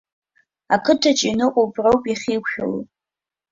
Ақыҭаҿы ианыҟоу, уброуп иахьеиқәшәало.